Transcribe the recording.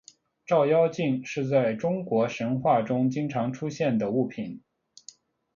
照妖镜是在中国神话中经常出现的物品。